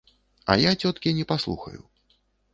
А я цёткі не паслухаю.